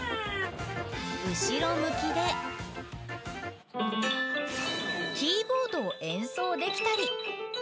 後ろ向きでキーボードを演奏できたり。